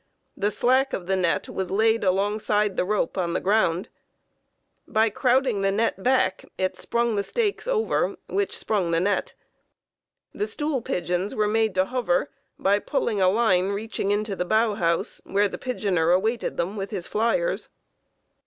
The slack of the net was laid alongside the rope on the ground. By crowding the net back, it sprung the stakes over, which sprung the net. The stool pigeons were made to hover by pulling a line reaching into the bough house, where the pigeoner awaited them with his fliers.